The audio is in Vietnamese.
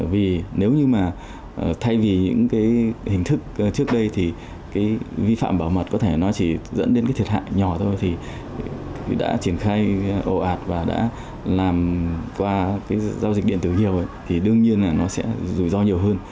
vì nếu như mà thay vì những cái hình thức trước đây thì cái vi phạm bảo mật có thể nó chỉ dẫn đến cái thiệt hại nhỏ thôi thì đã triển khai ồ ạt và đã làm qua cái giao dịch điện tử nhiều thì đương nhiên là nó sẽ rủi ro nhiều hơn